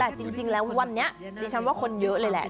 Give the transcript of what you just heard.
แต่จริงแล้ววันนี้ดิฉันว่าคนเยอะเลยแหละ